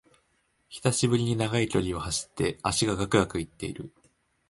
久しぶりに長い距離を走って脚がガクガクいってる